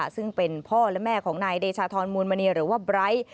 ซึ่งเป็นพ่อและแม่ของนายเดชาธรมูลมณีหรือว่าไบร์ท